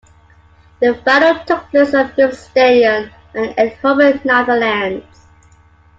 The final took place at Philips Stadion, in Eindhoven, Netherlands.